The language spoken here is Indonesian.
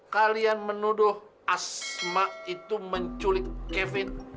kalian menuduh asma itu menculik kevin